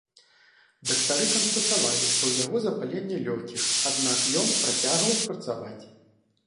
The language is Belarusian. Дактары канстатавалі, што ў яго запаленне лёгкіх, аднак ён працягваў працаваць.